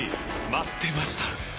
待ってました！